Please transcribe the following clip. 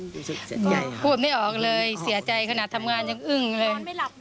กลัวไม่ออกเลยเสียใจขนาดทำงานยังอึ้งเลย